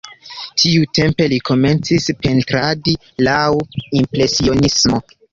Tiutempe li komencis pentradi laŭ impresionismo.